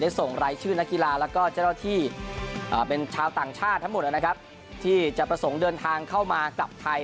ได้ส่งรายชื่อนักกีฬาและเจ้าจ้าวที่